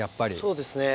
そうですね。